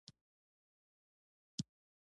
داسې چلن څو ستونزې رامنځته کوي، لکه